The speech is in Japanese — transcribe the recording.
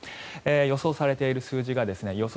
予想されている数字が予想